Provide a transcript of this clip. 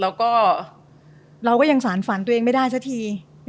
เราก็เราก็ยังสานฝันตัวเองไม่ได้ซะที